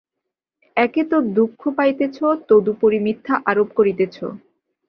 একে তো দুঃখ পাইতেছ, তদুপরি মিথ্যা আরোপ করিতেছ।